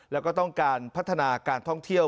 แล้วก็ต้องการพัฒนาการท่องเที่ยว